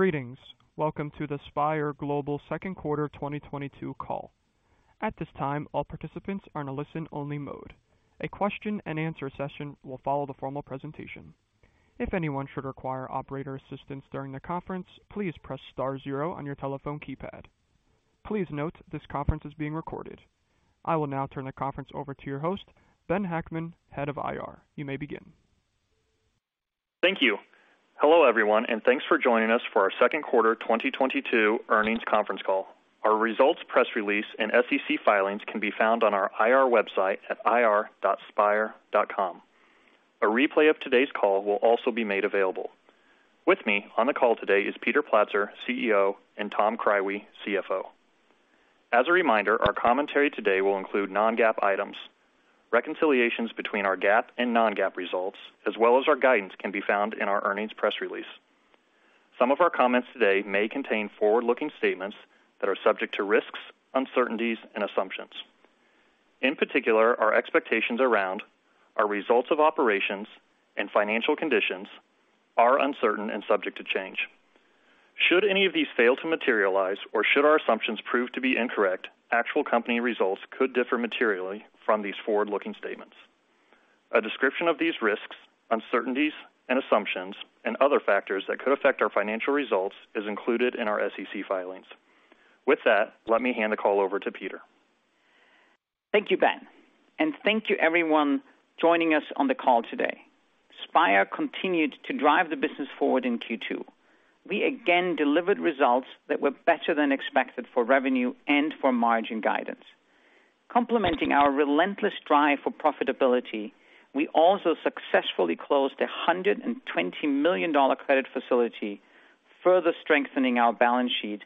Greetings. Welcome to the Spire Global second quarter 2022 call. At this time, all participants are in a listen-only mode. A question-and-answer session will follow the formal presentation. If anyone should require operator assistance during the conference, please press star zero on your telephone keypad. Please note this conference is being recorded. I will now turn the conference over to your host, Benjamin Hackman, Head of IR. You may begin. Thank you. Hello, everyone, and thanks for joining us for our second quarter 2022 earnings conference call. Our results press release and SEC filings can be found on our IR website at ir.spire.com. A replay of today's call will also be made available. With me on the call today is Peter Platzer, CEO, and Tom Krywe, CFO. As a reminder, our commentary today will include non-GAAP items. Reconciliations between our GAAP and non-GAAP results, as well as our guidance, can be found in our earnings press release. Some of our comments today may contain forward-looking statements that are subject to risks, uncertainties, and assumptions. In particular, our expectations around our results of operations and financial conditions are uncertain and subject to change. Should any of these fail to materialize or should our assumptions prove to be incorrect, actual company results could differ materially from these forward-looking statements. A description of these risks, uncertainties, and assumptions and other factors that could affect our financial results is included in our SEC filings. With that, let me hand the call over to Peter. Thank you, Ben, and thank you everyone joining us on the call today. Spire continued to drive the business forward in Q2. We again delivered results that were better than expected for revenue and for margin guidance. Complementing our relentless drive for profitability, we also successfully closed a $120 million credit facility, further strengthening our balance sheet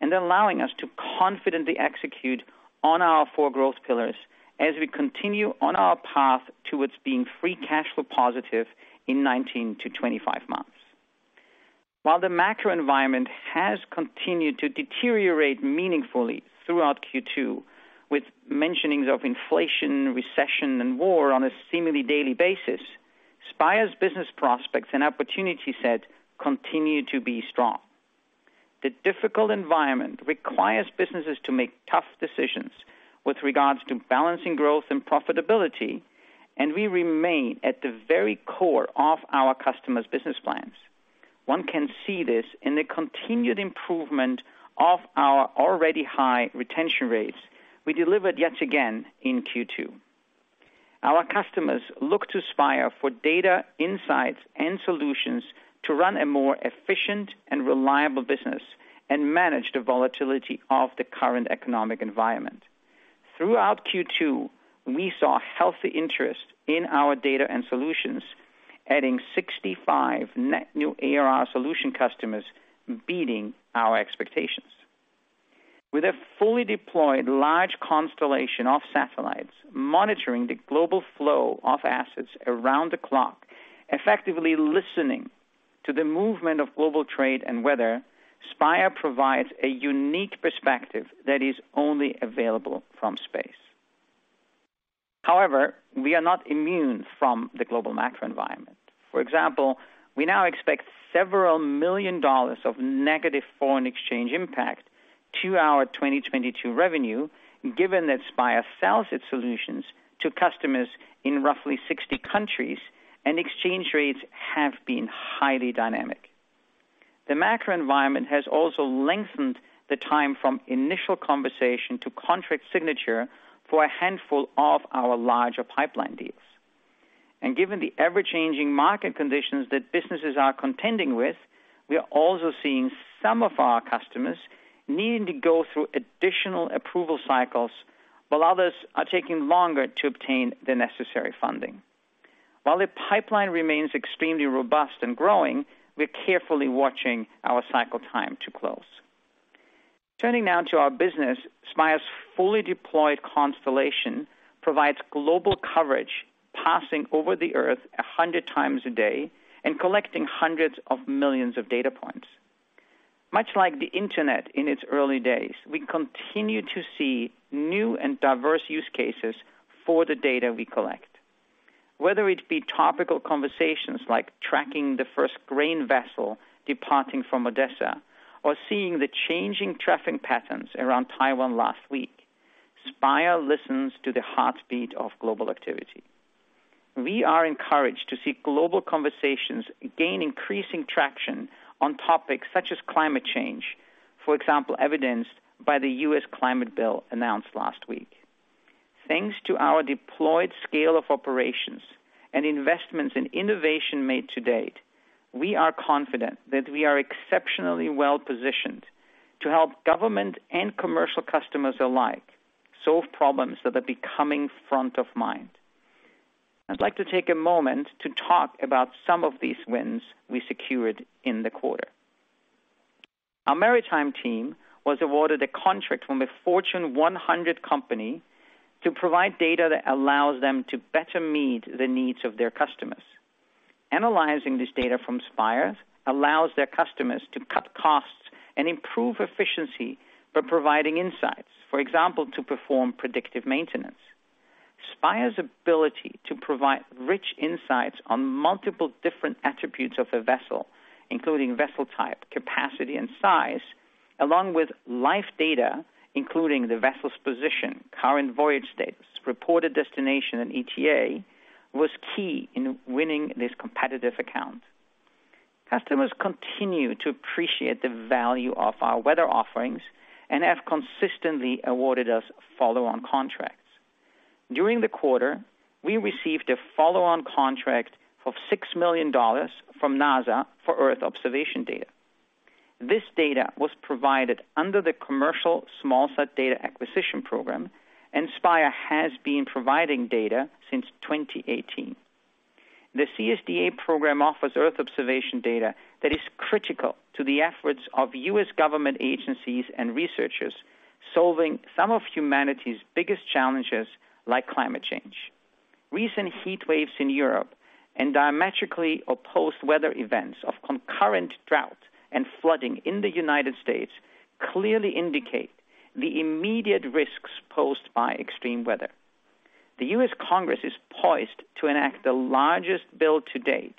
and allowing us to confidently execute on our four growth pillars as we continue on our path towards being free cash flow positive in 19-25 months. While the macro environment has continued to deteriorate meaningfully throughout Q2 with mentions of inflation, recession, and war on a seemingly daily basis, Spire's business prospects and opportunity set continue to be strong. The difficult environment requires businesses to make tough decisions with regards to balancing growth and profitability, and we remain at the very core of our customers' business plans. One can see this in the continued improvement of our already high retention rates we delivered yet again in Q2. Our customers look to Spire for data, insights, and solutions to run a more efficient and reliable business and manage the volatility of the current economic environment. Throughout Q2, we saw healthy interest in our data and solutions, adding 65 net new ARR solution customers, beating our expectations. With a fully deployed large constellation of satellites monitoring the global flow of assets around the clock, effectively listening to the movement of global trade and weather, Spire provides a unique perspective that is only available from space. However, we are not immune from the global macro environment. For example, we now expect several million dollars of negative foreign exchange impact to our 2022 revenue, given that Spire sells its solutions to customers in roughly 60 countries and exchange rates have been highly dynamic. The macro environment has also lengthened the time from initial conversation to contract signature for a handful of our larger pipeline deals. Given the ever-changing market conditions that businesses are contending with, we are also seeing some of our customers needing to go through additional approval cycles, while others are taking longer to obtain the necessary funding. While the pipeline remains extremely robust and growing, we're carefully watching our cycle time to close. Turning now to our business, Spire's fully deployed constellation provides global coverage passing over the Earth 100x a day and collecting hundreds of millions of data points. Much like the Internet in its early days, we continue to see new and diverse use cases for the data we collect. Whether it be topical conversations like tracking the first grain vessel departing from Odessa or seeing the changing traffic patterns around Taiwan last week, Spire listens to the heartbeat of global activity. We are encouraged to see global conversations gain increasing traction on topics such as climate change. For example, evidenced by the U.S. climate bill announced last week. Thanks to our deployed scale of operations and investments in innovation made to date, we are confident that we are exceptionally well-positioned to help government and commercial customers alike solve problems that are becoming front of mind. I'd like to take a moment to talk about some of these wins we secured in the quarter. Our maritime team was awarded a contract from a Fortune 100 company to provide data that allows them to better meet the needs of their customers. Analyzing this data from Spire allows their customers to cut costs and improve efficiency by providing insights, for example, to perform predictive maintenance. Spire's ability to provide rich insights on multiple different attributes of a vessel, including vessel type, capacity and size, along with life data, including the vessel's position, current voyage status, reported destination, and ETA was key in winning this competitive account. Customers continue to appreciate the value of our weather offerings, and have consistently awarded us follow-on contracts. During the quarter, we received a follow-on contract of $6 million from NASA for Earth observation data. This data was provided under the Commercial SmallSat Data Acquisition program, and Spire has been providing data since 2018. The CSDA program offers Earth observation data that is critical to the efforts of US government agencies and researchers solving some of humanity's biggest challenges like climate change. Recent heatwaves in Europe, and diametrically opposed weather events of concurrent drought and flooding in the United States clearly indicate the immediate risks posed by extreme weather. The US Congress is poised to enact the largest bill to date,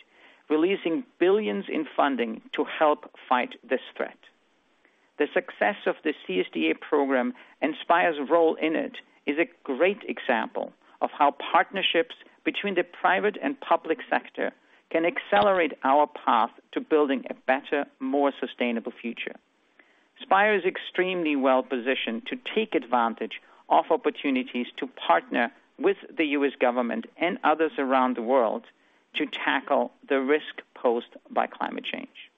releasing billions in funding to help fight this threat. The success of the CSDA program and Spire's role in it is a great example of how partnerships between the private and public sector can accelerate our path to building a better, more sustainable future. Spire is extremely well-positioned to take advantage of opportunities to partner with the US government and others around the world to tackle the risk posed by climate change.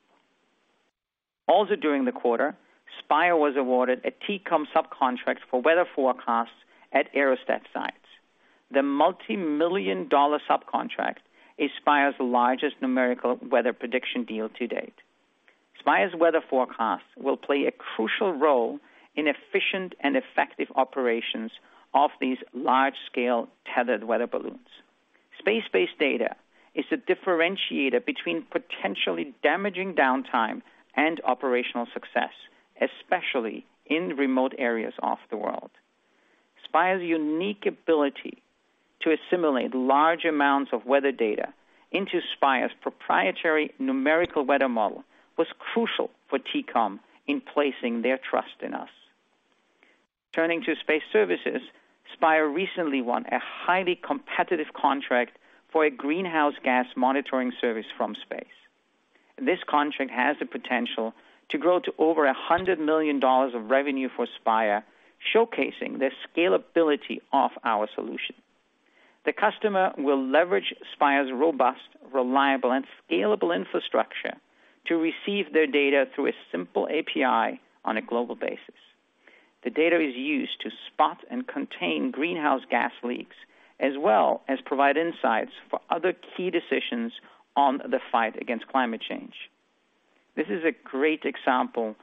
Also, during the quarter, Spire was awarded a TCOM subcontract for weather forecasts at aerostat sites. The multi-million-dollar subcontract is Spire's largest numerical weather prediction deal to date. Spire's weather forecast will play a crucial role in efficient and effective operations of these large-scale tethered weather balloons. Space-based data is a differentiator between potentially damaging downtime and operational success, especially in remote areas of the world. Spire's unique ability to assimilate large amounts of weather data into Spire's proprietary numerical weather model was crucial for TCOM in placing their trust in us. Turning to space services. Spire recently won a highly competitive contract for a greenhouse gas monitoring service from space. This contract has the potential to grow to over $100 million of revenue for Spire, showcasing the scalability of our solution. The customer will leverage Spire's robust, reliable, and scalable infrastructure to receive their data through a simple API on a global basis. The data is used to spot and contain greenhouse gas leaks, as well as provide insights for other key decisions on the fight against climate change. This is a great example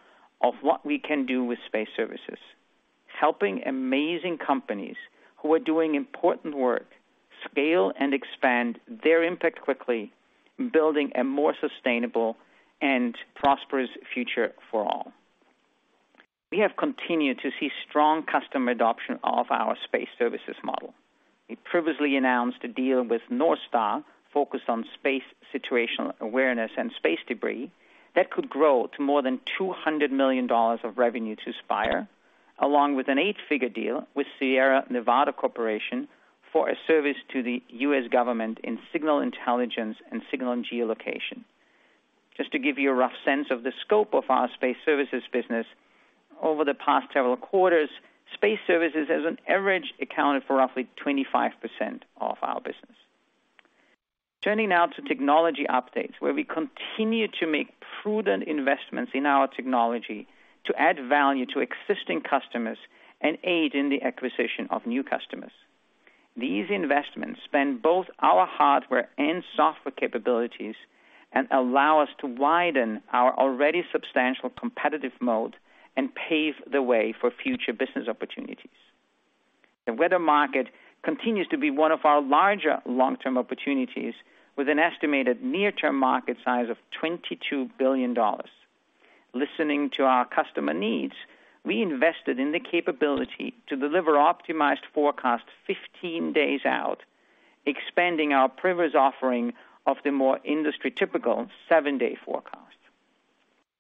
of what we can do with space services. Helping amazing companies who are doing important work scale and expand their impact quickly, building a more sustainable and prosperous future for all. We have continued to see strong customer adoption of our space services model. We previously announced a deal with NorthStar focused on space situational awareness and space debris that could grow to more than $200 million of revenue to Spire. Along with an eight-figure deal with Sierra Nevada Corporation for a service to the US government in signals intelligence and signals and geolocation. Just to give you a rough sense of the scope of our space services business. Over the past several quarters, space services as an average accounted for roughly 25% of our business. Turning now to technology updates, where we continue to make prudent investments in our technology to add value to existing customers and aid in the acquisition of new customers. These investments span both our hardware and software capabilities, and allow us to widen our already substantial competitive moat and pave the way for future business opportunities. The weather market continues to be one of our larger long-term opportunities with an estimated near-term market size of $22 billion. Listening to our customer needs, we invested in the capability to deliver optimized forecasts 15 days out, expanding our previous offering of the more industry-typical seven-day forecast.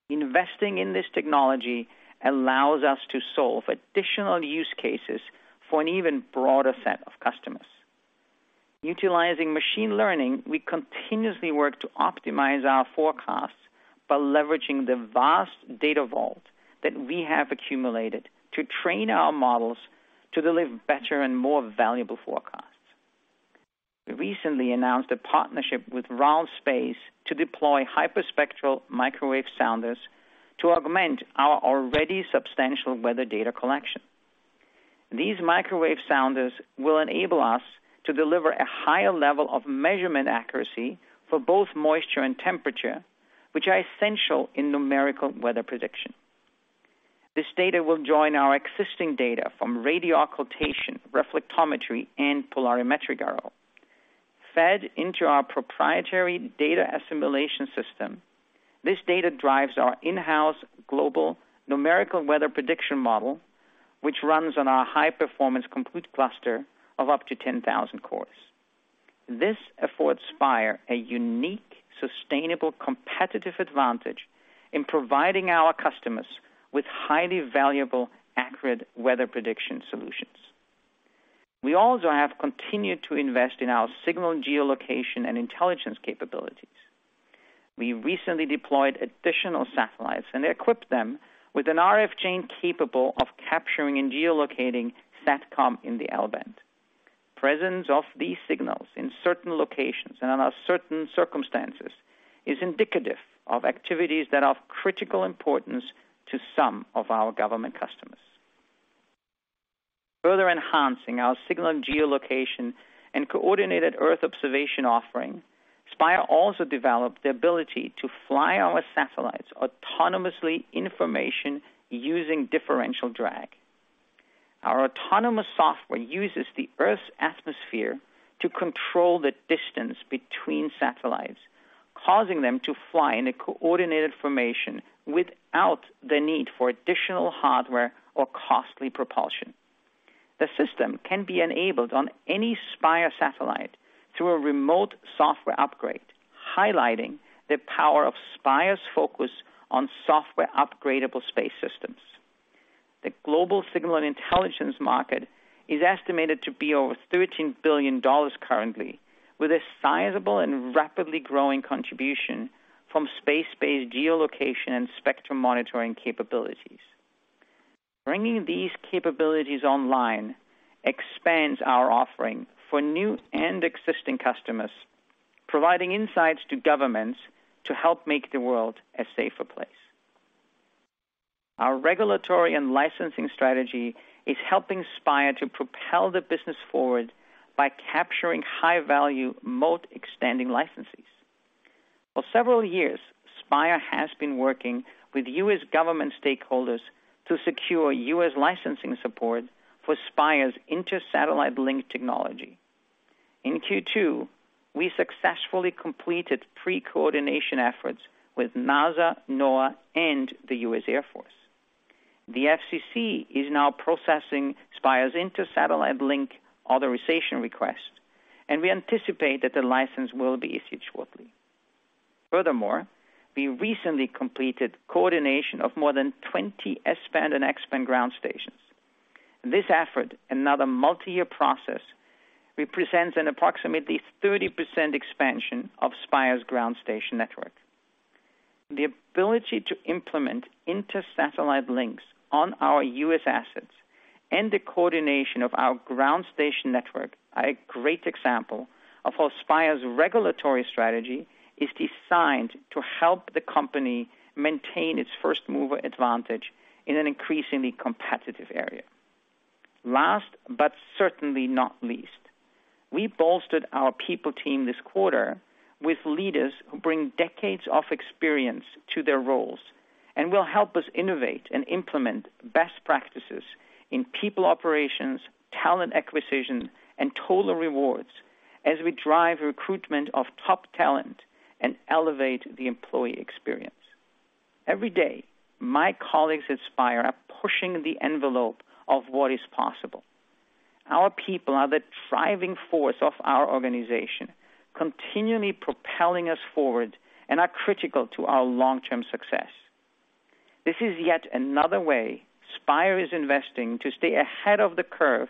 Investing in this technology allows us to solve additional use cases for an even broader set of customers. Utilizing machine learning, we continuously work to optimize our forecasts by leveraging the vast data vault that we have accumulated to train our models to deliver better and more valuable forecasts. We recently announced a partnership with RAL Space to deploy hyperspectral microwave sounders to augment our already substantial weather data collection. These microwave sounders will enable us to deliver a higher level of measurement accuracy for both moisture and temperature, which are essential in numerical weather prediction. This data will join our existing data from radio occultation, reflectometry, and polarimetric radiometry, fed into our proprietary data assimilation system. This data drives our in-house global numerical weather prediction model, which runs on our high-performance compute cluster of up to 10,000 cores. This affords Spire a unique, sustainable, competitive advantage in providing our customers with highly valuable, accurate weather prediction solutions. We also have continued to invest in our signal geolocation and intelligence capabilities. We recently deployed additional satellites and equipped them with an RF chain capable of capturing and geolocating SATCOM in the L-band. Presence of these signals in certain locations and under certain circumstances is indicative of activities that are of critical importance to some of our government customers. Further enhancing our signal and geolocation and coordinated Earth observation offering, Spire also developed the ability to fly our satellites autonomously in formation using differential drag. Our autonomous software uses the Earth's atmosphere to control the distance between satellites, causing them to fly in a coordinated formation without the need for additional hardware or costly propulsion. The system can be enabled on any Spire satellite through a remote software upgrade, highlighting the power of Spire's focus on software-upgradable space systems. The global signal and intelligence market is estimated to be over $13 billion currently, with a sizable and rapidly growing contribution from space-based geolocation and spectrum monitoring capabilities. Bringing these capabilities online expands our offering for new and existing customers, providing insights to governments to help make the world a safer place. Our regulatory and licensing strategy is helping Spire to propel the business forward by capturing high-value, moat-extending licenses. For several years, Spire has been working with US government stakeholders to secure US licensing support for Spire's Inter-Satellite Link technology. In Q2, we successfully completed pre-coordination efforts with NASA, NOAA, and the U.S. Air Force. The FCC is now processing Spire's Inter-Satellite Link authorization request, and we anticipate that the license will be issued shortly. Furthermore, we recently completed coordination of more than 20 S-band and X-band ground stations. This effort, another multi-year process, represents an approximately 30% expansion of Spire's ground station network. The ability to implement Inter-Satellite Links on our US assets and the coordination of our ground station network are a great example of how Spire's regulatory strategy is designed to help the company maintain its first-mover advantage in an increasingly competitive area. Last, but certainly not least, we bolstered our people team this quarter with leaders who bring decades of experience to their roles, and will help us innovate and implement best practices in people operations, talent acquisition, and total rewards as we drive recruitment of top talent and elevate the employee experience. Every day, my colleagues at Spire are pushing the envelope of what is possible. Our people are the driving force of our organization, continually propelling us forward, and are critical to our long-term success. This is yet another way Spire is investing to stay ahead of the curve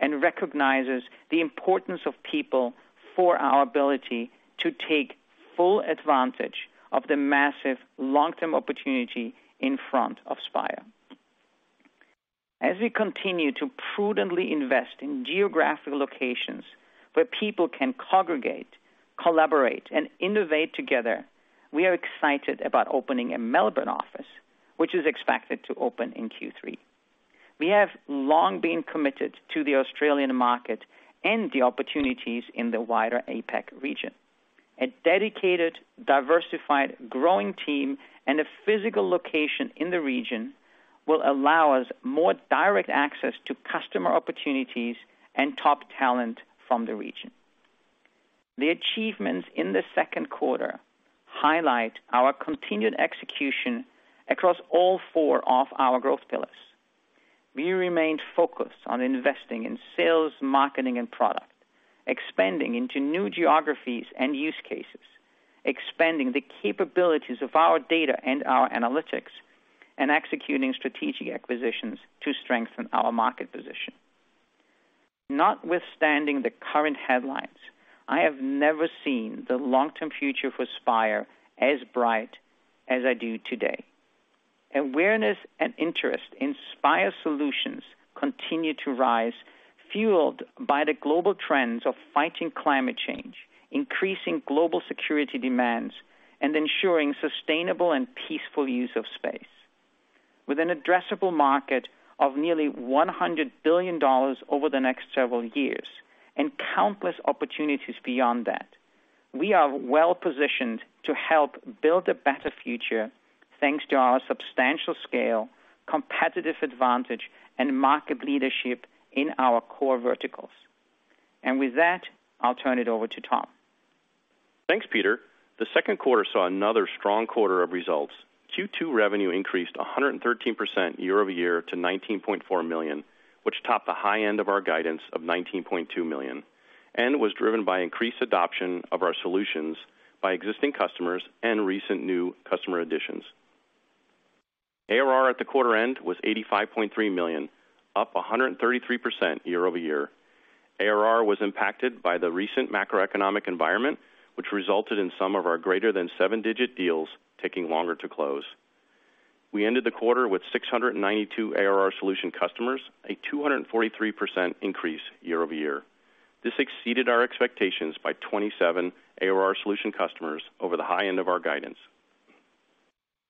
and recognizes the importance of people for our ability to take full advantage of the massive long-term opportunity in front of Spire. As we continue to prudently invest in geographic locations where people can congregate, collaborate, and innovate together, we are excited about opening a Melbourne office, which is expected to open in Q3. We have long been committed to the Australian market and the opportunities in the wider APAC region. A dedicated, diversified, growing team, and a physical location in the region will allow us more direct access to customer opportunities and top talent from the region. The achievements in the second quarter highlight our continued execution across all four of our growth pillars. We remained focused on investing in sales, marketing, and product. Expanding into new geographies and use cases. Expanding the capabilities of our data and our analytics, and executing strategic acquisitions to strengthen our market position. Notwithstanding the current headlines, I have never seen the long-term future for Spire as bright as I do today. Awareness and interest in Spire solutions continue to rise, fueled by the global trends of fighting climate change, increasing global security demands, and ensuring sustainable and peaceful use of space. With an addressable market of nearly $100 billion over the next several years and countless opportunities beyond that. We are well positioned to help build a better future thanks to our substantial scale, competitive advantage, and market leadership in our core verticals. With that, I'll turn it over to Tom. Thanks, Peter. The second quarter saw another strong quarter of results. Q2 revenue increased 113% year-over-year to $19.4 million, which topped the high end of our guidance of $19.2 million, and was driven by increased adoption of our solutions by existing customers and recent new customer additions. ARR at the quarter end was $85.3 million, up 133% year-over-year. ARR was impacted by the recent macroeconomic environment, which resulted in some of our greater than seven-digit deals taking longer to close. We ended the quarter with 692 ARR solution customers, a 243% increase year-over-year. This exceeded our expectations by 27 ARR solution customers over the high end of our guidance.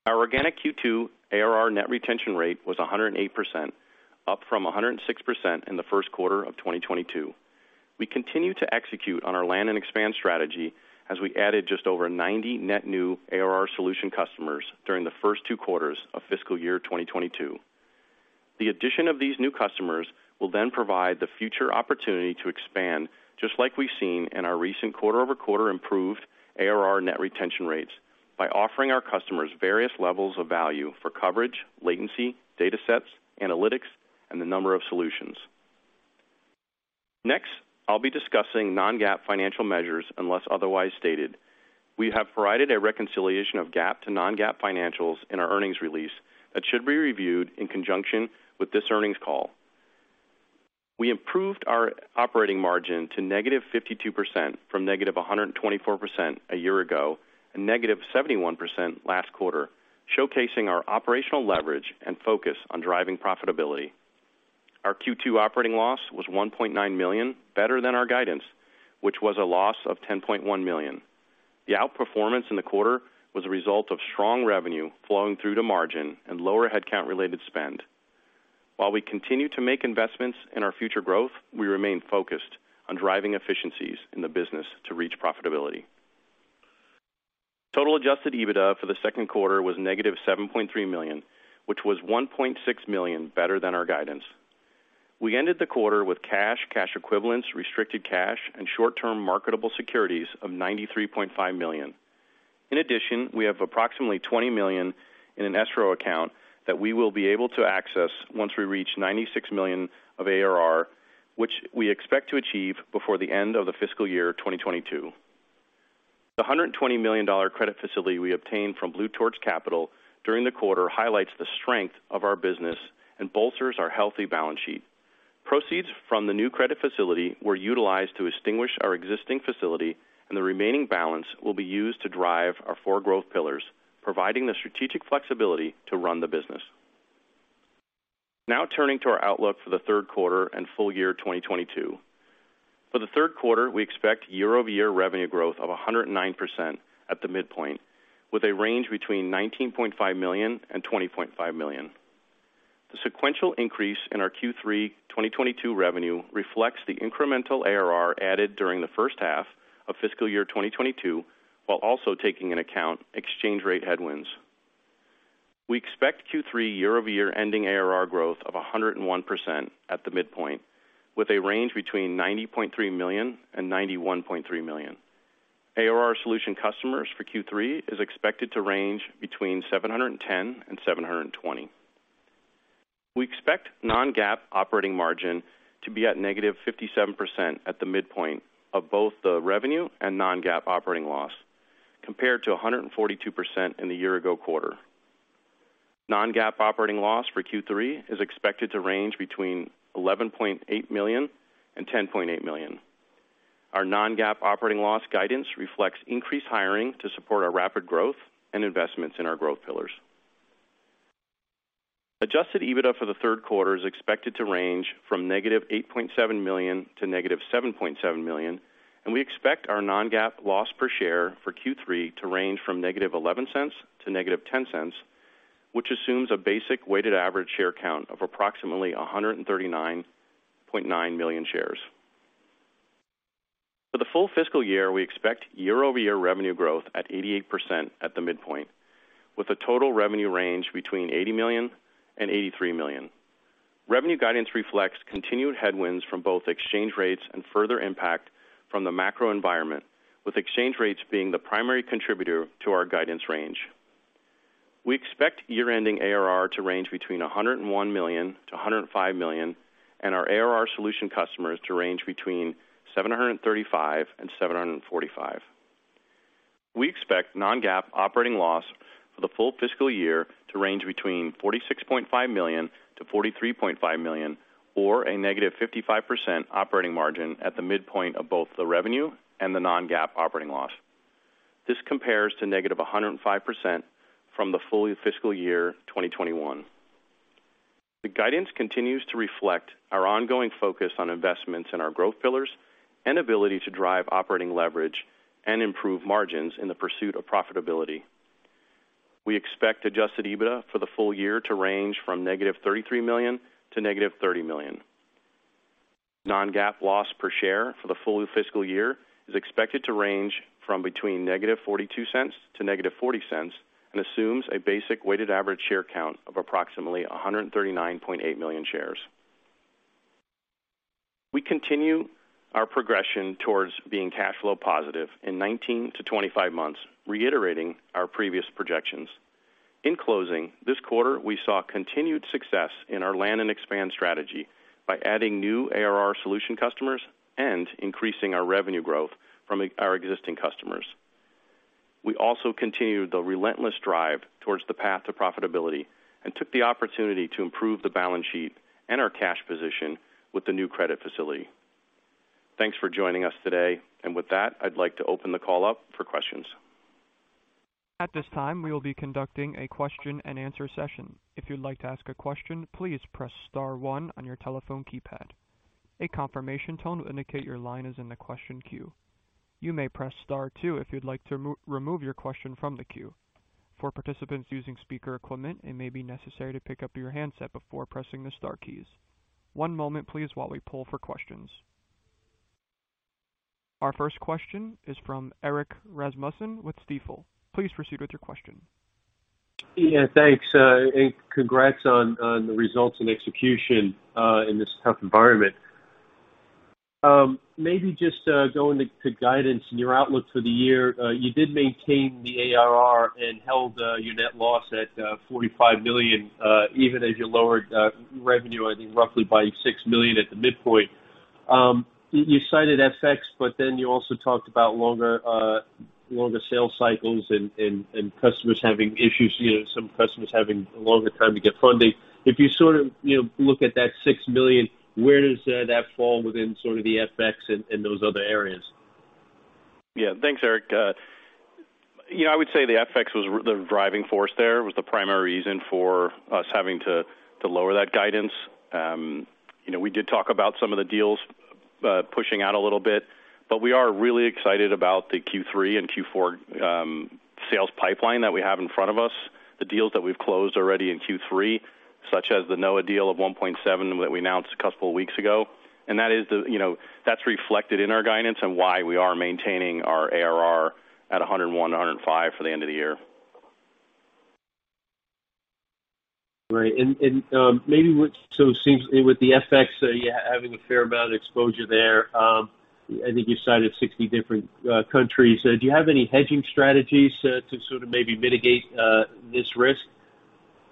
Our organic Q2 ARR net retention rate was 108%, up from 106% in the first quarter of 2022. We continue to execute on our land and expand strategy as we added just over 90 net new ARR solution customers during the first two quarters of fiscal year 2022. The addition of these new customers will then provide the future opportunity to expand just like we've seen in our recent quarter-over-quarter improved ARR net retention rates by offering our customers various levels of value for coverage, latency, data sets, analytics, and the number of solutions. Next, I'll be discussing non-GAAP financial measures unless otherwise stated. We have provided a reconciliation of GAAP to non-GAAP financials in our earnings release that should be reviewed in conjunction with this earnings call. We improved our operating margin to -52% from -124% a year ago, and -71% last quarter, showcasing our operational leverage and focus on driving profitability. Our Q2 operating loss was $1.9 million, better than our guidance, which was a loss of $10.1 million. The outperformance in the quarter was a result of strong revenue flowing through to margin and lower headcount-related spend. While we continue to make investments in our future growth, we remain focused on driving efficiencies in the business to reach profitability. Total adjusted EBITDA for the second quarter was -$7.3 million, which was $1.6 million better than our guidance. We ended the quarter with cash equivalents, restricted cash, and short-term marketable securities of $93.5 million. In addition, we have approximately $20 million in an escrow account that we will be able to access once we reach 96 million of ARR, which we expect to achieve before the end of the fiscal year 2022. The $120 million credit facility we obtained from Blue Torch Capital during the quarter highlights the strength of our business and bolsters our healthy balance sheet. Proceeds from the new credit facility were utilized to extinguish our existing facility, and the remaining balance will be used to drive our four growth pillars, providing the strategic flexibility to run the business. Now turning to our outlook for the third quarter and full year 2022. For the third quarter, we expect year-over-year revenue growth of 109% at the midpoint, with a range between $19.5 million and $20.5 million. The sequential increase in our Q3 2022 revenue reflects the incremental ARR added during the first half of fiscal year 2022, while also taking into account exchange rate headwinds. We expect Q3 year-over-year ending ARR growth of 101% at the midpoint, with a range between $90.3 million and $91.3 million. ARR solution customers for Q3 is expected to range between 710 and 720. We expect non-GAAP operating margin to be at -57% at the midpoint of both the revenue and non-GAAP operating loss, compared to 142% in the year ago quarter. Non-GAAP operating loss for Q3 is expected to range between $11.8 million and $10.8 million. Our non-GAAP operating loss guidance reflects increased hiring to support our rapid growth and investments in our growth pillars. Adjusted EBITDA for the third quarter is expected to range from -$8.7 million to -$7.7 million, and we expect our non-GAAP loss per share for Q3 to range from -$0.11 to -$0.10, which assumes a basic weighted average share count of approximately 139.9 million shares. For the full fiscal year, we expect 88% year-over-year revenue growth at the midpoint, with a total revenue range between $80 million and $83 million. Revenue guidance reflects continued headwinds from both exchange rates and further impact from the macro environment, with exchange rates being the primary contributor to our guidance range. We expect year-ending ARR to range between $101 million and $105 million, and our ARR solution customers to range between 735 and 745. We expect non-GAAP operating loss for the full fiscal year to range between $46.5 million and $43.5 million, or a -55% operating margin at the midpoint of both the revenue and the non-GAAP operating loss. This compares to -105% from the full fiscal year 2021. The guidance continues to reflect our ongoing focus on investments in our growth pillars, and ability to drive operating leverage and improve margins in the pursuit of profitability. We expect adjusted EBITDA for the full year to range from -$33 million to -$30 million. Non-GAAP loss per share for the full fiscal year is expected to range from between -$0.42 to -$0.40 and assumes a basic weighted average share count of approximately 139.8 million shares. We continue our progression towards being cash flow positive in 19-25 months, reiterating our previous projections. In closing, this quarter, we saw continued success in our land and expand strategy by adding new ARR solution customers and increasing our revenue growth from our existing customers. We also continued the relentless drive towards the path to profitability, and took the opportunity to improve the balance sheet and our cash position with the new credit facility. Thanks for joining us today. With that, I'd like to open the call up for questions. At this time, we will be conducting a question-and-answer session. If you'd like to ask a question, please press star one on your telephone keypad. A confirmation tone will indicate your line is in the question queue. You may press star two if you'd like to remove your question from the queue. For participants using speaker equipment, it may be necessary to pick up your handset before pressing the star keys. One moment please while we pull for questions. Our first question is from Erik Rasmussen with Stifel. Please proceed with your question. Yeah, thanks. And congrats on the results and execution in this tough environment. Maybe just going to guidance and your outlook for the year. You did maintain the ARR and held your net loss at $45 million, even as you lowered revenue, I think roughly by $6 million at the midpoint. You cited FX, but then you also talked about longer sales cycles and customers having issues, you know, some customers having a longer time to get funding. If you sort of, you know, look at that $6 million, where does that fall within sort of the FX and those other areas? Yeah. Thanks, Erik. You know, I would say the FX was the driving force there. It was the primary reason for us having to lower that guidance. You know, we did talk about some of the deals pushing out a little bit, but we are really excited about the Q3 and Q4 sales pipeline that we have in front of us, the deals that we've closed already in Q3, such as the NOAA deal of $1.7 that we announced a couple of weeks ago. That is the, you know, that's reflected in our guidance and why we are maintaining our ARR at 101-105 for the end of the year. Right. It seems with the FX, so you're having a fair amount of exposure there. I think you cited 60 different countries. Do you have any hedging strategies to sort of maybe mitigate this risk?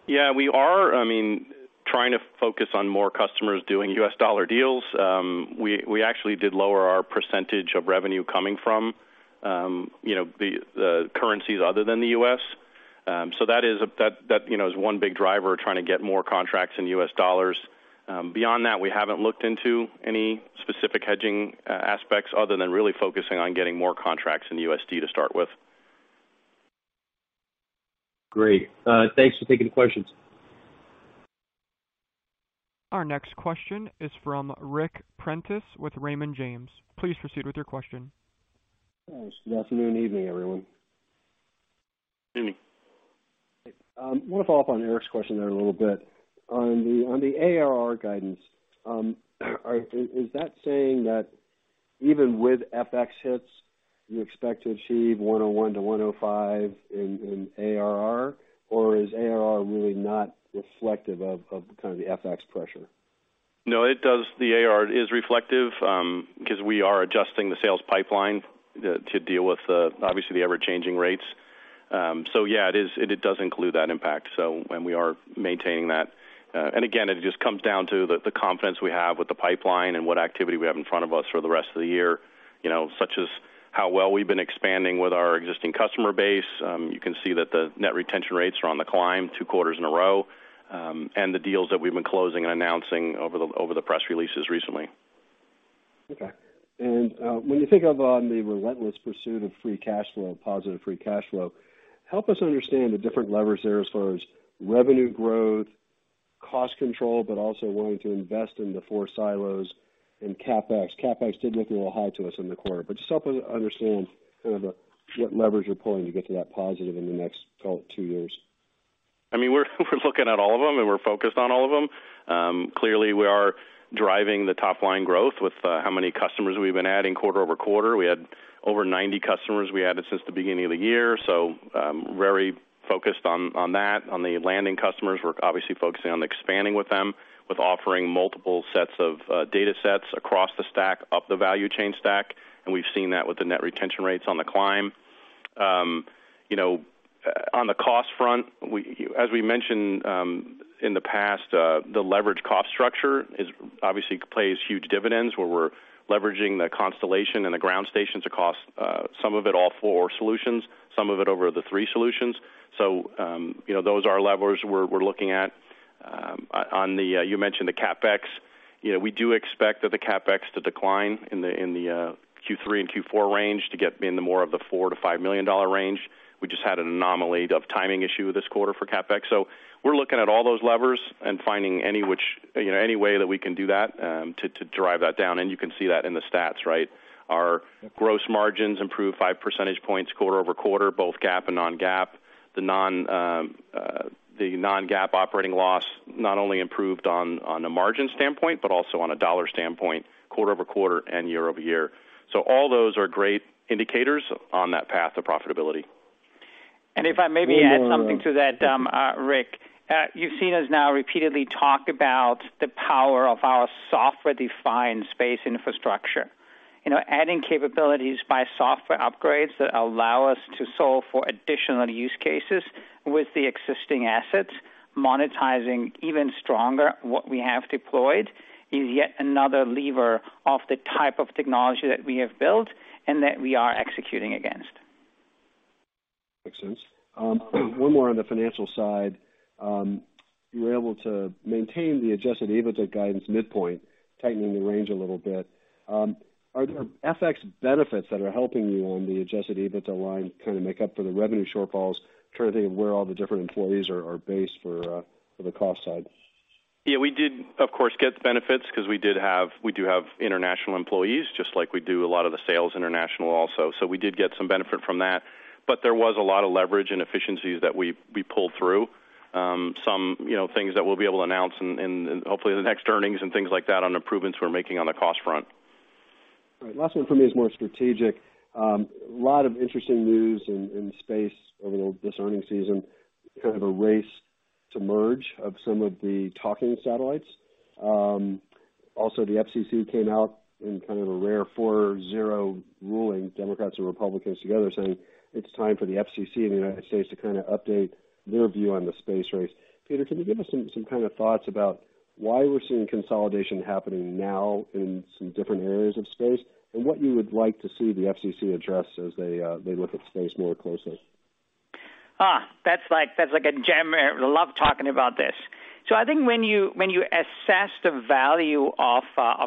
Yeah. We are, I mean, trying to focus on more customers doing US dollar deals. We actually did lower our percentage of revenue coming from, you know, the currencies other than the U.S. That is that you know is one big driver, trying to get more contracts in US dollars. Beyond that, we haven't looked into any specific hedging aspects other than really focusing on getting more contracts in USD to start with. Great. Thanks for taking the questions. Our next question is from Ric Prentiss with Raymond James. Please proceed with your question. Thanks. Good afternoon, evening, everyone. Evening. I want to follow up on Erik's question there a little bit. On the ARR guidance, is that saying that even with FX hits, you expect to achieve 101-105 in ARR? Or is ARR really not reflective of kind of the FX pressure? No, it does. The ARR is reflective because we are adjusting the sales pipeline to deal with, obviously, the ever-changing rates. Yeah, it is, it does include that impact. We are maintaining that. Again, it just comes down to the confidence we have with the pipeline and what activity we have in front of us for the rest of the year, you know, such as how well we've been expanding with our existing customer base. You can see that the net retention rates are on the climb two quarters in a row, and the deals that we've been closing and announcing over the press releases recently. Okay. When you think of the relentless pursuit of free cash flow, positive free cash flow, help us understand the different levers there as far as revenue growth, cost control, but also willing to invest in the four silos and CapEx. CapEx did look a little high to us in the quarter, but just help us understand kind of what levers you're pulling to get to that positive in the next, call it, two years. I mean, we're looking at all of them, and we're focused on all of them. Clearly, we are driving the top-line growth with how many customers we've been adding quarter over quarter. We had over 90 customers we added since the beginning of the year, so very focused on that. On the landing customers, we're obviously focusing on expanding with them, with offering multiple sets of data sets across the stack, up the value chain stack, and we've seen that with the net retention rates on the climb. You know, on the cost front, we, as we mentioned, in the past, the leverage cost structure is obviously plays huge dividends where we're leveraging the constellation and the ground stations across, some of it all four solutions, some of it over the three solutions. You know, those are levers we're looking at. On the CapEx you mentioned. You know, we do expect that the CapEx to decline in the Q3 and Q4 range to get in the more of the $4-$5 million range. We just had an anomaly of timing issue this quarter for CapEx. We're looking at all those levers and finding any which, you know, any way that we can do that to drive that down. You can see that in the stats, right? Our gross margins improved five percentage points quarter-over-quarter, both GAAP and non-GAAP. The non-GAAP operating loss not only improved on a margin standpoint, but also on a dollar standpoint quarter-over-quarter and year-over-year. All those are great indicators on that path to profitability. If I maybe add something to that, Ric. You've seen us now repeatedly talk about the power of our software-defined space infrastructure. You know, adding capabilities by software upgrades that allow us to solve for additional use cases with the existing assets. Monetizing even stronger what we have deployed is yet another lever of the type of technology that we have built and that we are executing against. Makes sense. One more on the financial side. You were able to maintain the adjusted EBITDA guidance midpoint, tightening the range a little bit. Are there FX benefits that are helping you on the adjusted EBITDA line kinda make up for the revenue shortfalls, trying to think of where all the different employees are based for the cost side? Yeah, we did, of course, get the benefits 'cause we do have international employees, just like we do a lot of the sales international also. We did get some benefit from that. There was a lot of leverage and efficiencies that we pulled through. Some, you know, things that we'll be able to announce in hopefully in the next earnings and things like that on improvements we're making on the cost front. All right. Last one for me is more strategic. A lot of interesting news in the space over this earnings season, kind of a race to merge of some of the talking satellites. Also the FCC came out in kind of a rare 4-0 ruling, Democrats and Republicans together saying it's time for the FCC in the United States to kinda update their view on the space race. Peter, can you give us some kind of thoughts about why we're seeing consolidation happening now in some different areas of space, and what you would like to see the FCC address as they look at space more closely? That's like a gem. I love talking about this. I think when you assess the value of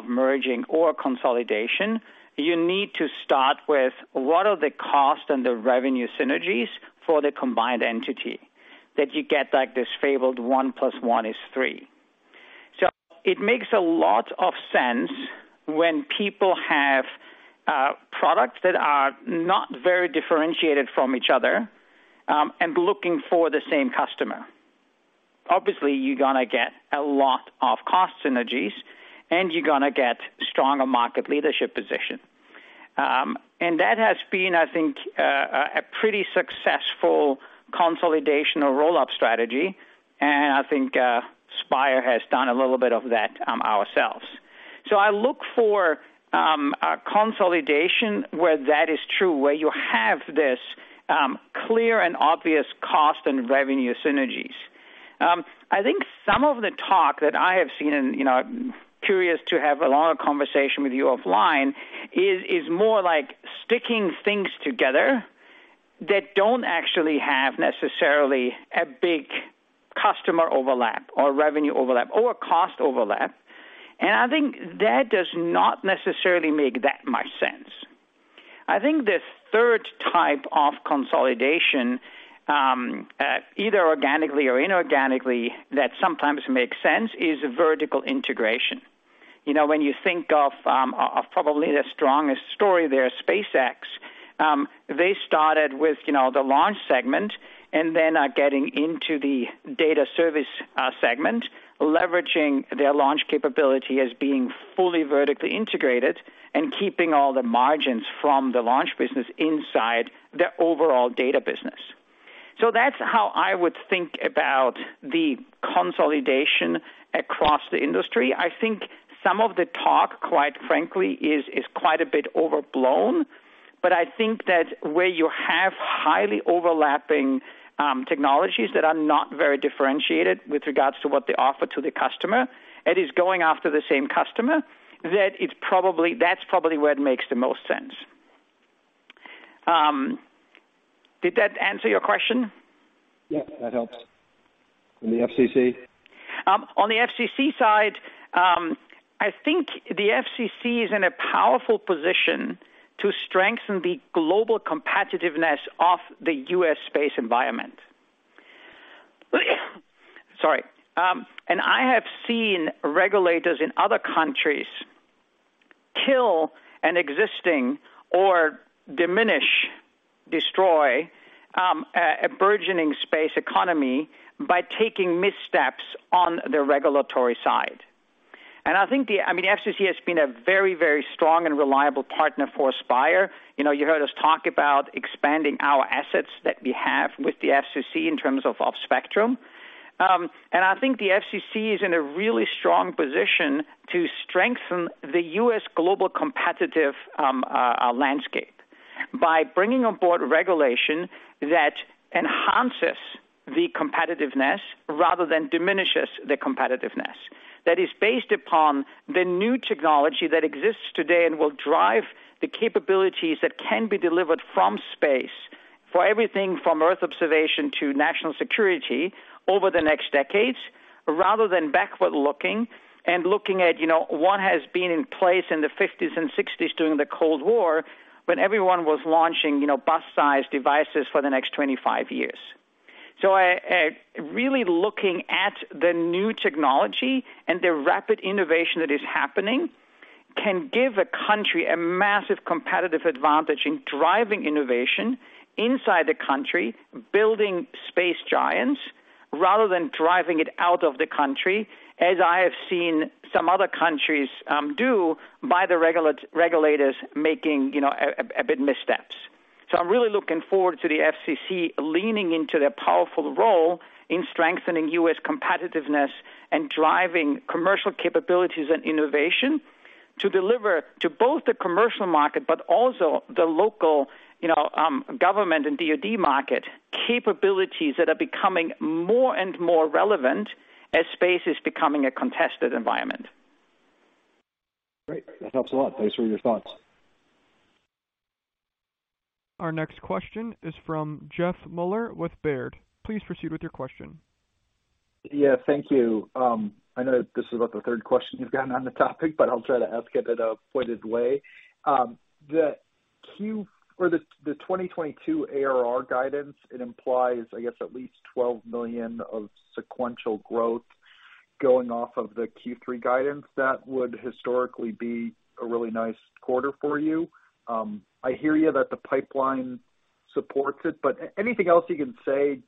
merging or consolidation, you need to start with what are the cost and the revenue synergies for the combined entity that you get like this fabled one plus one is three. It makes a lot of sense when people have products that are not very differentiated from each other and looking for the same customer. Obviously, you're gonna get a lot of cost synergies, and you're gonna get stronger market leadership position. That has been, I think, a pretty successful consolidation or roll-up strategy. I think Spire has done a little bit of that ourselves. I look for a consolidation where that is true, where you have this clear and obvious cost and revenue synergies. I think some of the talk that I have seen, and, you know, I'm curious to have a longer conversation with you offline, is more like sticking things together that don't actually have necessarily a big customer overlap or revenue overlap or a cost overlap. I think that does not necessarily make that much sense. I think the third type of consolidation, either organically or inorganically that sometimes makes sense is vertical integration. You know, when you think of probably the strongest story there, SpaceX, they started with, you know, the launch segment and then getting into the data service segment, leveraging their launch capability as being fully vertically integrated and keeping all the margins from the launch business inside their overall data business. That's how I would think about the consolidation across the industry. I think some of the talk, quite frankly, is quite a bit overblown. I think that where you have highly overlapping technologies that are not very differentiated with regards to what they offer to the customer, and is going after the same customer, that it's probably, that's probably where it makes the most sense. Did that answer your question? Yes, that helps. The FCC? On the FCC side, I think the FCC is in a powerful position to strengthen the global competitiveness of the U.S. space environment. Sorry. I have seen regulators in other countries kill an existing or diminish, destroy a burgeoning space economy by taking missteps on the regulatory side. I think I mean, the FCC has been a very, very strong and reliable partner for Spire. You know, you heard us talk about expanding our assets that we have with the FCC in terms of spectrum. I think the FCC is in a really strong position to strengthen the U.S. global competitive landscape by bringing on board regulation that enhances the competitiveness rather than diminishes the competitiveness. That is based upon the new technology that exists today and will drive the capabilities that can be delivered from space for everything from Earth observation to national security over the next decades, rather than backward-looking and looking at, you know, what has been in place in the fifties and sixties during the Cold War when everyone was launching, you know, bus-sized devices for the next 25 years. Really looking at the new technology and the rapid innovation that is happening can give a country a massive competitive advantage in driving innovation inside the country, building space giants, rather than driving it out of the country, as I have seen some other countries do by the regulators making, you know, a bit missteps. I'm really looking forward to the FCC leaning into their powerful role in strengthening US competitiveness, and driving commercial capabilities and innovation to deliver to both the commercial market but also the local, you know, government and DoD market capabilities that are becoming more and more relevant as space is becoming a contested environment. Great. That helps a lot. Thanks for your thoughts. Our next question is from Jeffrey Meuler with Baird. Please proceed with your question. Yeah, thank you. I know this is about the third question you've gotten on the topic, but I'll try to ask it in a pointed way. The 2022 ARR guidance, it implies, I guess, at least $12 million of sequential growth going off of the Q3 guidance. That would historically be a really nice quarter for you. I hear you that the pipeline supports it, but anything else you can say,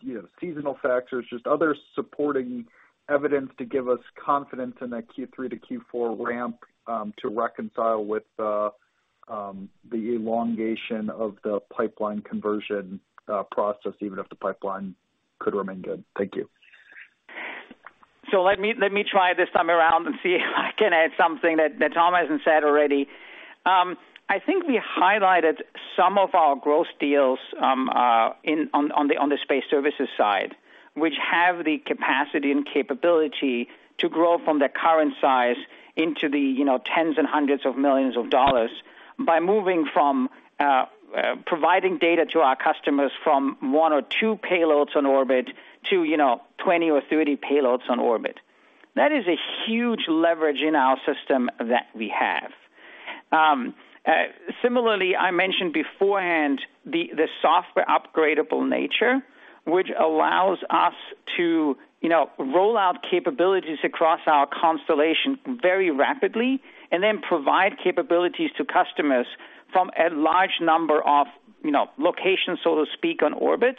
you know, seasonal factors, just other supporting evidence to give us confidence in that Q3 to Q4 ramp, to reconcile with the elongation of the pipeline conversion process, even if the pipeline could remain good. Thank you. Let me try this time around and see if I can add something that Tom hasn't said already. I think we highlighted some of our growth deals on the space services side, which have the capacity and capability to grow from the current size into the, you know, $10s and $100s of millions by moving from providing data to our customers from one or two payloads on orbit to, you know, 20 or 30 payloads on orbit. That is a huge leverage in our system that we have. Similarly, I mentioned beforehand the software upgradable nature, which allows us to, you know, roll out capabilities across our constellation very rapidly and then provide capabilities to customers from a large number of, you know, locations, so to speak, on orbit.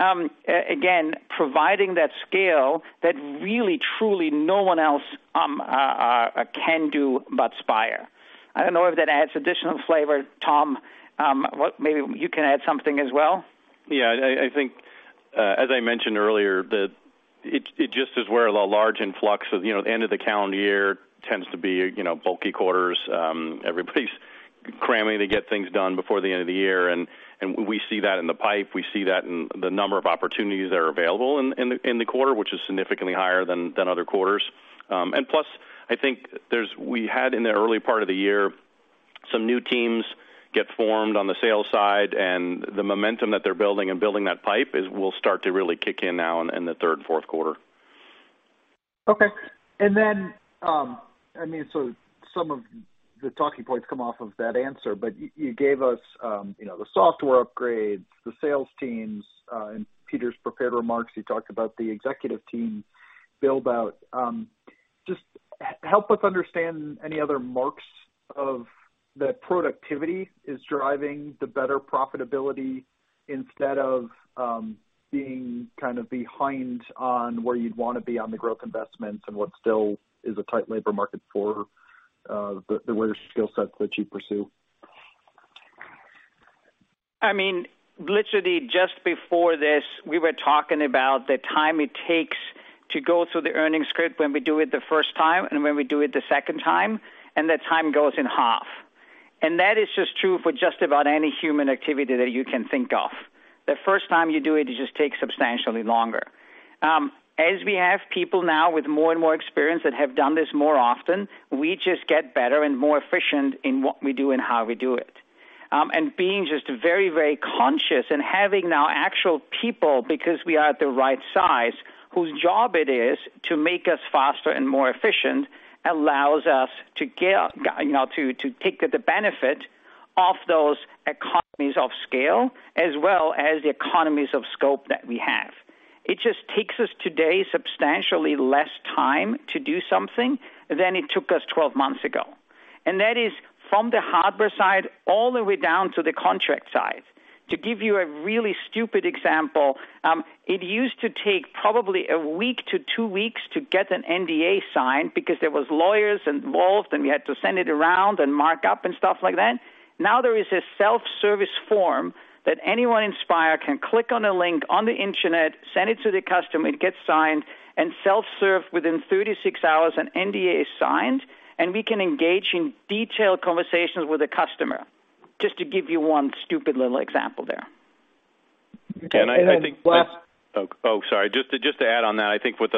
Again, providing that scale that really truly no one else can do but Spire. I don't know if that adds additional flavor. Tom, maybe you can add something as well. Yeah. I think, as I mentioned earlier, there's a large influx of, you know, end of the calendar year tends to be, you know, busy quarters. Everybody's cramming to get things done before the end of the year. We see that in the pipe. We see that in the number of opportunities that are available in the quarter, which is significantly higher than other quarters. Plus, I think we had in the early part of the year some new teams got formed on the sales side, and the momentum that they're building that pipe will start to really kick in now in the third and fourth quarter. Okay. I mean, so some of the talking points come off of that answer. You gave us, you know, the software upgrades, the sales teams, in Peter's prepared remarks, he talked about the executive team build out. Just help us understand any other marks of the productivity is driving the better profitability instead of being kind of behind on where you'd wanna be on the growth investments, and what still is a tight labor market for the what are skill sets that you pursue. I mean, literally just before this, we were talking about the time it takes to go through the earnings script when we do it the first time and when we do it the second time, and the time goes in half. That is just true for just about any human activity that you can think of. The first time you do it just takes substantially longer. As we have people now with more and more experience that have done this more often, we just get better and more efficient in what we do and how we do it. Being just very, very conscious and having now actual people because we are at the right size, whose job it is to make us faster and more efficient allows us to get, you know, to take the benefit of those economies of scale as well as the economies of scope that we have. It just takes us today substantially less time to do something than it took us 12 months ago. That is from the hardware side all the way down to the contract side. To give you a really stupid example, it used to take probably a week to two weeks to get an NDA signed because there was lawyers involved, and we had to send it around and mark up and stuff like that. Now, there is a self-service form that anyone in Spire can click on a link on the internet, send it to the customer, it gets signed, and self-serve within 36 hours an NDA is signed, and we can engage in detailed conversations with the customer. Just to give you one stupid little example there. Okay. I think, oh, sorry. Just to add on that, I think with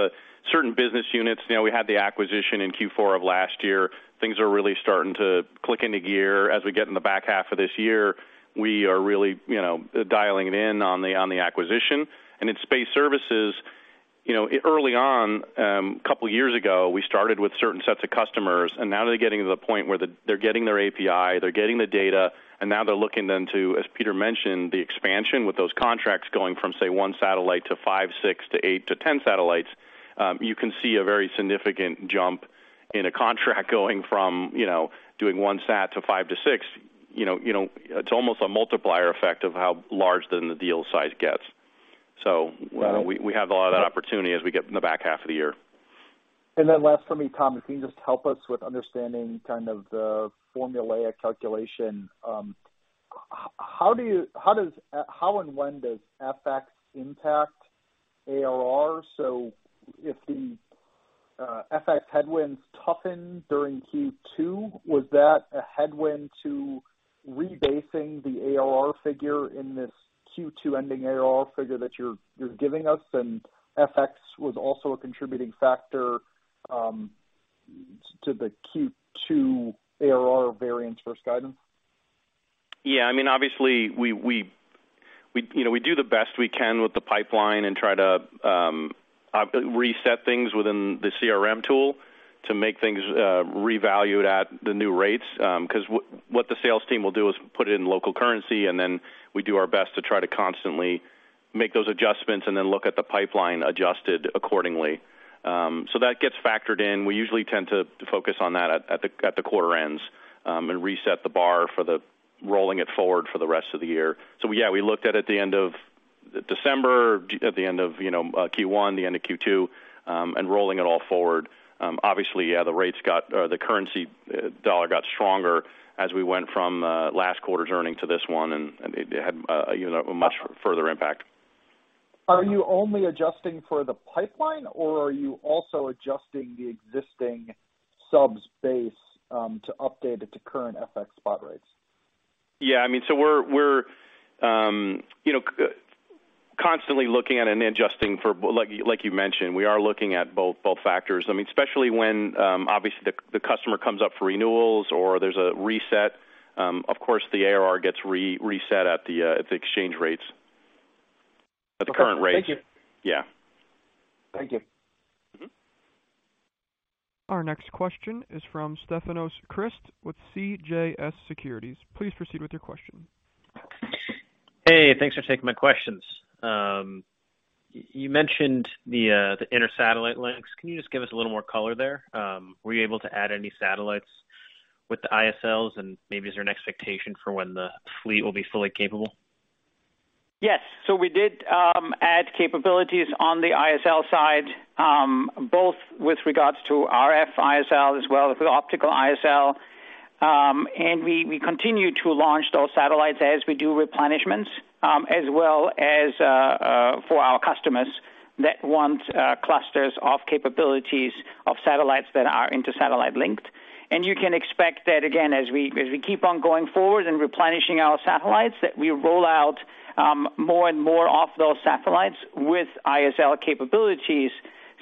certain business units, you know, we had the acquisition in Q4 of last year. Things are really starting to click into gear. As we get in the back half of this year, we are really, you know, dialing it in on the acquisition. In space services, you know, early on, a couple years ago, we started with certain sets of customers, and now they're getting to the point where they're getting their API, they're getting the data, and now they're looking to, as Peter mentioned, the expansion with those contracts going from, say, one satellite to five, six to eight to 10 satellites. You can see a very significant jump in a contract going from, you know, doing one sat to 5-6. You know, it's almost a multiplier effect of how large then the deal size gets. We have a lot of that opportunity as we get in the back half of the year. Last for me, Tom, if you can just help us with understanding kind of the formulaic calculation. How and when does FX impact ARR? If the FX headwinds toughened during Q2, was that a headwind to rebasing the ARR figure in this Q2 ending ARR figure that you're giving us, and FX was also a contributing factor to the Q2 ARR variance versus guidance? Yeah, I mean, obviously, you know, we do the best we can with the pipeline and try to reset things within the CRM tool to make things revalued at the new rates. 'Cause what the sales team will do is put it in local currency, and then we do our best to try to constantly make those adjustments, and then look at the pipeline adjusted accordingly. That gets factored in. We usually tend to focus on that at the quarter ends and reset the bar for the rolling it forward for the rest of the year. Yeah, we looked at it at the end of December, at the end of you know Q1, the end of Q2, and rolling it all forward. Obviously, yeah, the dollar got stronger as we went from last quarter's earnings to this one, and it had you know, a much further impact. Are you only adjusting for the pipeline, or are you also adjusting the existing subs base to update it to current FX spot rates? Yeah, I mean, we're constantly looking at and adjusting for, like you mentioned, we are looking at both factors. I mean, especially when obviously the customer comes up for renewals or there's a reset, of course, the ARR gets reset at the exchange rates. At the current rates. Thank you. Yeah. Thank you. Mm-hmm. Our next question is from Stefanos Crist with CJS Securities. Please proceed with your question. Hey, thanks for taking my questions. You mentioned the Inter-Satellite Links. Can you just give us a little more color there? Were you able to add any satellites with the ISLs? Maybe is there an expectation for when the fleet will be fully capable? Yes. We did add capabilities on the ISL side, both with regards to RF ISL as well as with optical ISL. We continue to launch those satellites as we do replenishments, as well as for our customers that want clusters of capabilities of satellites that are Inter-Satellite Linked. You can expect that again, as we keep on going forward and replenishing our satellites, that we roll out more and more of those satellites with ISL capabilities,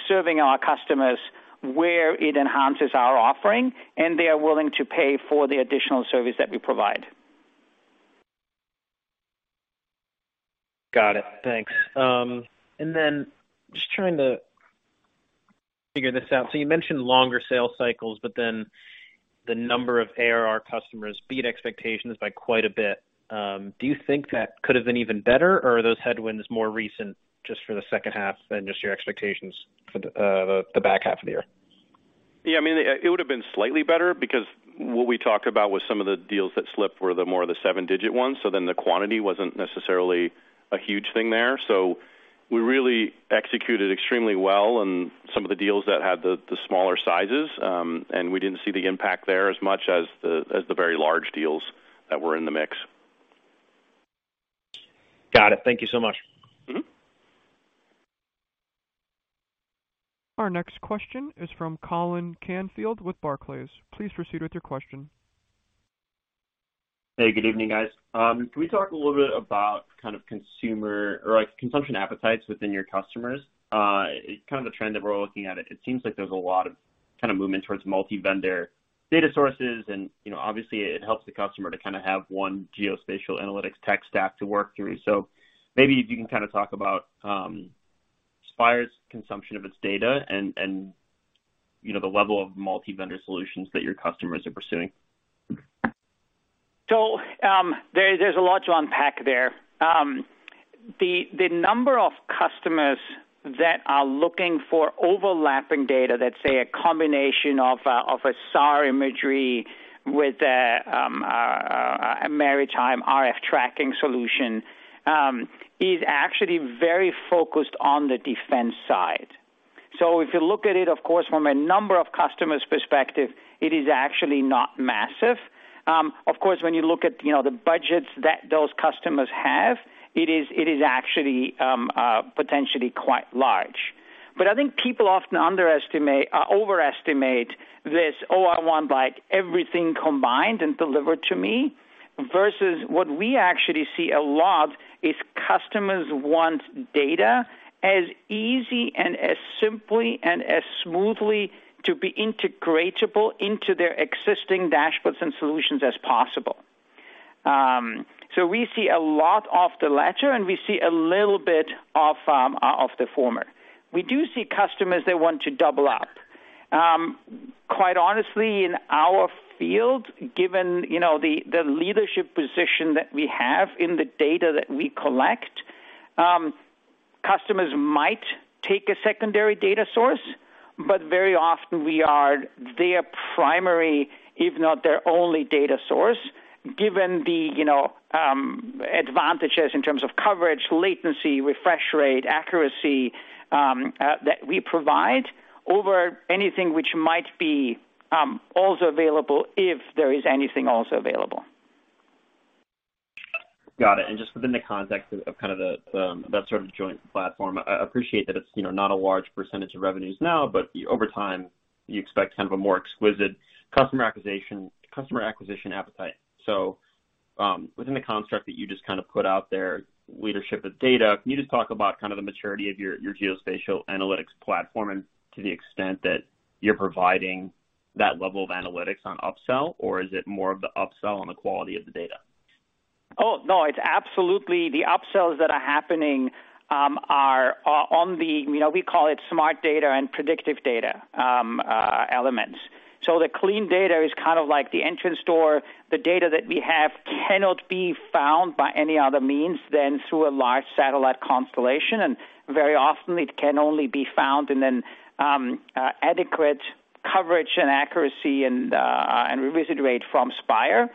serving our customers where it enhances our offering, and they are willing to pay for the additional service that we provide. Got it. Thanks. Just trying to figure this out. You mentioned longer sales cycles, but then the number of ARR customers beat expectations by quite a bit. Do you think that could have been even better, or are those headwinds more recent just for the second half than just your expectations for the back half of the year? I mean, it would have been slightly better because what we talked about was some of the deals that slipped were the more seven-digit ones. The quantity wasn't necessarily a huge thing there. We really executed extremely well on some of the deals that had the smaller sizes, and we didn't see the impact there as much as the very large deals that were in the mix. Got it. Thank you so much. Mm-hmm. Our next question is from Colin Canfield with Barclays. Please proceed with your question. Hey, good evening, guys. Can we talk a little bit about kind of consumer or, like, consumption appetites within your customers? Kind of the trend that we're looking at, it seems like there's a lot of kind of movement towards multi-vendor data sources. You know, obviously it helps the customer to kind of have one geospatial analytics tech stack to work through. Maybe if you can kind of talk about Spire's consumption of its data and you know, the level of multi-vendor solutions that your customers are pursuing. There's a lot to unpack there. The number of customers that are looking for overlapping data, let's say a combination of a SAR imagery with a maritime RF tracking solution, is actually very focused on the defense side. If you look at it, of course, from a number of customers' perspective, it is actually not massive. Of course, when you look at the budgets that those customers have, it is actually potentially quite large. But I think people often overestimate this, "Oh, I want like everything combined and delivered to me," versus what we actually see a lot is customers want data as easy and as simply and as smoothly to be integratable into their existing dashboards and solutions as possible. We see a lot of the latter, and we see a little bit of the former. We do see customers that want to double up. Quite honestly, in our field, given, you know, the leadership position that we have in the data that we collect, customers might take a secondary data source, but very often we are their primary, if not their only data source, given the, you know, advantages in terms of coverage, latency, refresh rate, accuracy, that we provide over anything which might be also available if there is anything also available. Just within the context of kind of that sort of joint platform, I appreciate that it's, you know, not a large percentage of revenues now, but over time, you expect kind of a more exquisite customer acquisition appetite. Within the construct that you just kind of put out there, leadership of data, can you just talk about kind of the maturity of your geospatial analytics platform and to the extent that you're providing that level of analytics on upsell, or is it more of the upsell on the quality of the data? Oh, no. It's absolutely the upsells that are happening on the, you know, we call it smart data and predictive data, elements. The clean data is kind of like the entrance door. The data that we have cannot be found by any other means than through a large satellite constellation, and very often it can only be found in an adequate coverage and accuracy and revisit rate from Spire.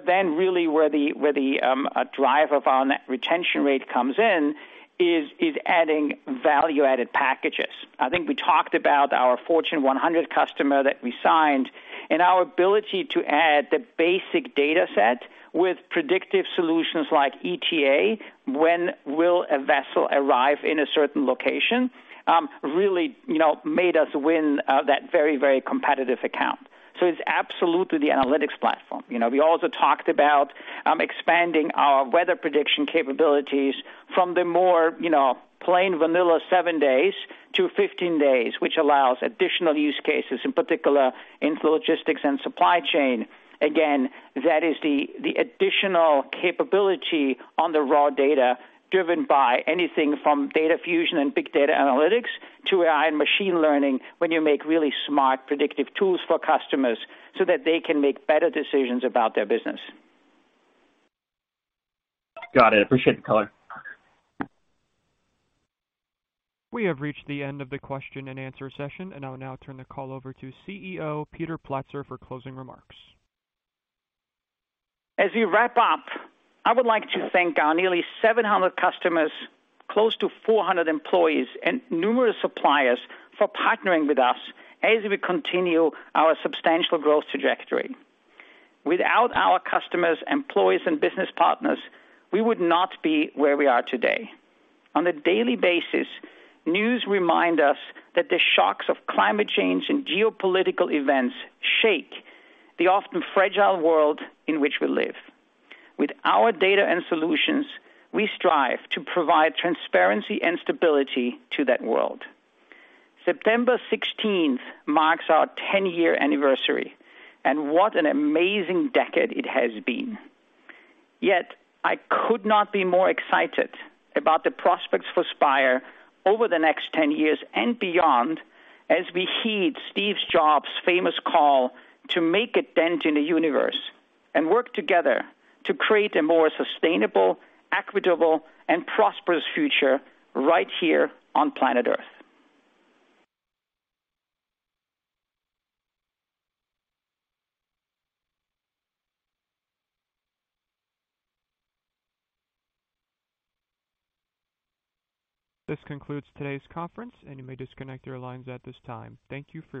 Then really where the drive of our net retention rate comes in is adding value-added packages. I think we talked about our Fortune 100 customer that we signed, and our ability to add the basic dataset with predictive solutions like ETA, when will a vessel arrive in a certain location, really, you know, made us win that very competitive account. It's absolutely the analytics platform. You know, we also talked about expanding our weather prediction capabilities from the more, you know, plain vanilla seven days to 15 days, which allows additional use cases, in particular in logistics and supply chain. Again, that is the additional capability on the raw data driven by anything from data fusion and big data analytics to AI machine learning when you make really smart predictive tools for customers so that they can make better decisions about their business. Got it. Appreciate the color. We have reached the end of the question and answer session, and I'll now turn the call over to CEO Peter Platzer for closing remarks. As we wrap up, I would like to thank our nearly 700 customers, close to 400 employees and numerous suppliers for partnering with us as we continue our substantial growth trajectory. Without our customers, employees and business partners, we would not be where we are today. On a daily basis, news remind us that the shocks of climate change and geopolitical events shake the often fragile world in which we live. With our data and solutions, we strive to provide transparency and stability to that world. September 16th marks our 10-year anniversary, and what an amazing decade it has been. Yet I could not be more excited about the prospects for Spire over the next 10 years and beyond as we heed Steve Jobs' famous call to make a dent in the universe and work together to create a more sustainable, equitable, and prosperous future right here on planet Earth. This concludes today's conference, and you may disconnect your lines at this time. Thank you for your participation.